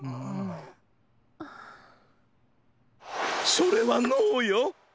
それはノーよ！